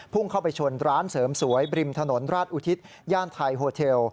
เข้าไปชนร้านเสริมสวยบริมถนนราชอุทิศย่านไทยโฮเทล